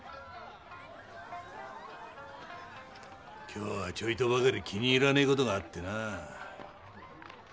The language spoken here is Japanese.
今日はちょいとばかり気に入らねえ事があってな。